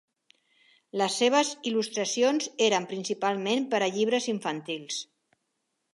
Les seves il·lustracions eren principalment per a llibres infantils.